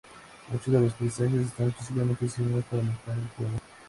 Muchos de los paisajes están específicamente diseñados para matar al jugador.